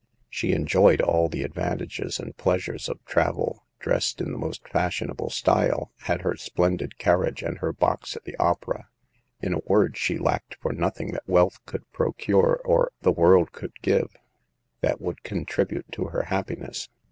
She enjoyed all the advantages and pleasures of travel, dressed in the most fashionable style, had her splendid carriage and her box at the opera; in a word, she lacked for nothing that wealth could pro cure or the world could give, that would con tribute to her happiness.